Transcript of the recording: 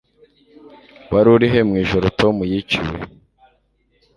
Wari urihe mwijoro Tom yiciwe?